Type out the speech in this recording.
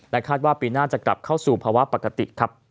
คาดว่าปีหน้าจะกลับเข้าสู่ภาวะปกติครับ